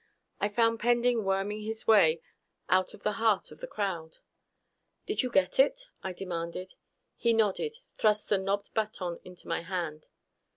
I found Pending worming his way out of the heart of the crowd. "Did you get it?" I demanded. He nodded, thrust the knobbed baton into my hand.